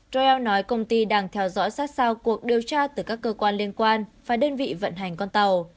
roell nói công ty đang theo dõi sát sao cuộc điều tra từ các cơ quan liên quan và đơn vị vận hành con tàu